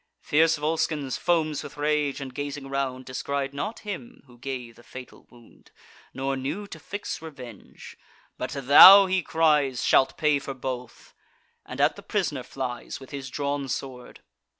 Fierce Volscens foams with rage, and, gazing round, Descried not him who gave the fatal wound, Nor knew to fix revenge: "But thou," he cries, "Shalt pay for both," and at the pris'ner flies With his drawn sword.